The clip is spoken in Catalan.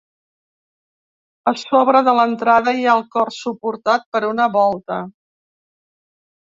A sobre de l'entrada hi ha el cor suportat per una volta.